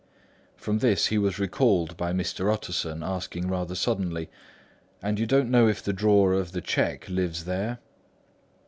From this he was recalled by Mr. Utterson asking rather suddenly: "And you don't know if the drawer of the cheque lives there?"